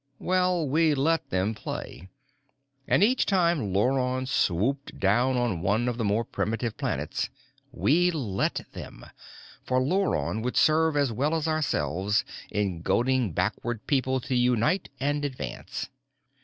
Well, we let them play. And each time Luron swooped down on one of the more primitive planets, we let them, for Luron would serve as well as ourselves in goading backward peoples to unite and advance.